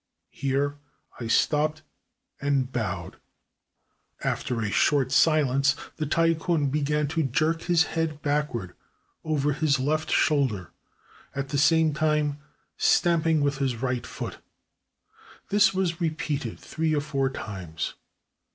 Here I stopped and bowed. After a short silence the Tai kun began to jerk his head backward over his left shoulder, at the same time stamping with his right foot. This was repeated three or four times.